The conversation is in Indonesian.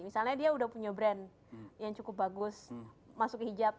misalnya dia udah punya brand yang cukup bagus masuk hijab